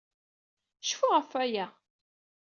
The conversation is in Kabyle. Cfu ɣef waya!